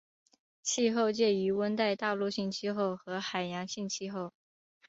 气候介于温带大陆性气候和海洋性气候。